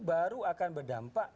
baru akan berdampak